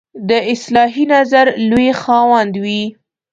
د اصلاحي نظر لوی خاوند وي.